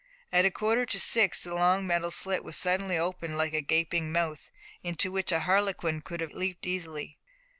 At a quarter to six the long metal slit suddenly opened up like a gaping mouth, into which a harlequin could have leaped easily.